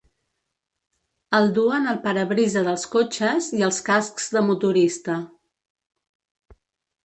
El duen al parabrisa dels cotxes i als cascs de motorista.